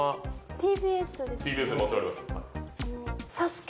ＴＢＳですよね？